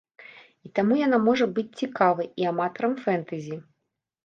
І таму яна можа быць цікавай і аматарам фэнтэзі.